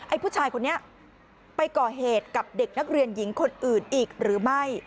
ผู้ชายคนนี้ไปก่อเหตุกับเด็กนักเรียนหญิงคนอื่นอีกหรือไม่